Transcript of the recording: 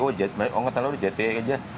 oh angkatan laut jt aja